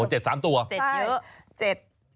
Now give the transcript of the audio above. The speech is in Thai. โห๗๓ตัวเจ็ดเยอะ